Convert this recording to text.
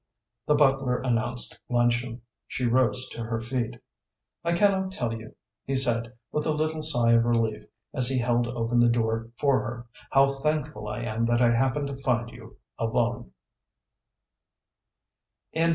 The butler announced luncheon. She rose to her feet. "I cannot tell you," he said, with a little sigh of relief, as he held open the door for her, "how thankful I am that I happened to find you alone."